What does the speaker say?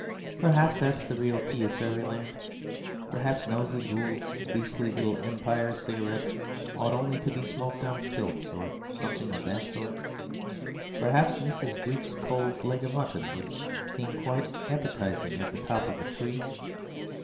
Perhaps that is the real key of fairyland. Perhaps Nosey Gould's beastly little Empire Cigarettes ought only to be smoked on stilts, or something of that sort. Perhaps Mrs. Duke's cold leg of mutton would seem quite appetizing at the top of a tree.